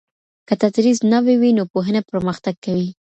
که تدریس نوی وي نو پوهنه پرمختګ کوي.